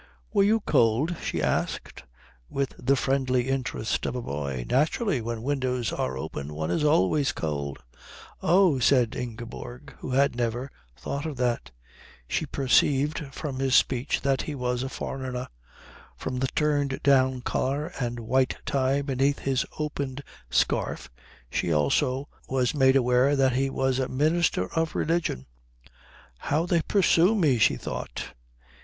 "Were you cold?" she asked, with the friendly interest of a boy. "Naturally. When windows are open one is always cold." "Oh!" said Ingeborg, who had never thought of that. She perceived from his speech that he was a foreigner. From the turned down collar and white tie beneath his opened scarf she also was made aware that he was a minister of religion. "How they pursue me," she thought.